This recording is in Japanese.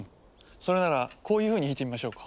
それならこういうふうに弾いてみましょうか。